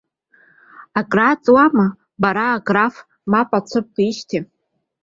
Акрааҵуама бара аграф мап ицәыбкижьҭеи?